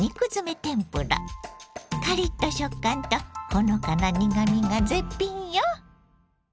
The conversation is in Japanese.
カリッと食感とほのかな苦みが絶品よ。